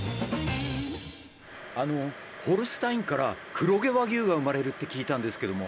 ホルスタインから黒毛和牛が生まれるって聞いたんですけども。